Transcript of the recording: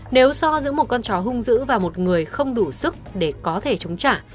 nếu so giữa một con chó hung dữ và một người không đủ sức để có thể chống trả